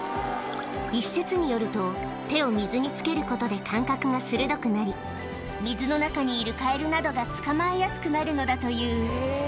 一説によると、手を水につけることで感覚が鋭くなり、水の中にいるカエルなどが捕まえやすくなるのだという。